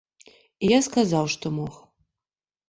І я сказаў, што мог.